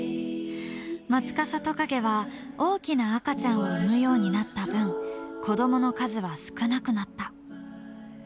マツカサトカゲは大きな赤ちゃんを産むようになった分子どもの数は少なくなった。